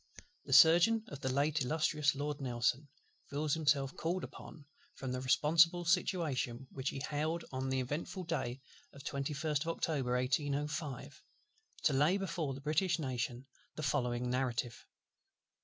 The Surgeon of the late illustrious Lord NELSON feels himself called upon, from the responsible situation which he held on the eventful day of the 21st of October 1805, to lay before the British Nation the following Narrative.